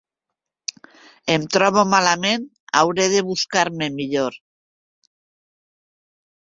Em trobo malament, hauré de buscar-me millor.